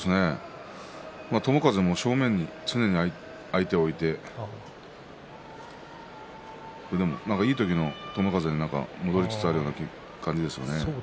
友風も正面に常に相手を置いていい時の友風に戻りつつあるような感じですね。